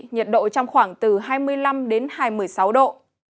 nhiệt độ trong khoảng từ hai mươi năm đến hai mươi sáu độ